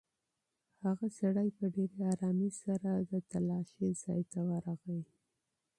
هغه سړی په ډېرې ارامۍ سره د تالاشۍ ځای ته ورغی.